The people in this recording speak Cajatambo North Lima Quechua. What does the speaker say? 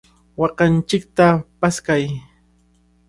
¡Waakanchikta paskay!